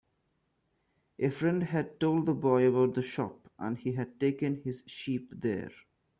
A friend had told the boy about the shop, and he had taken his sheep there.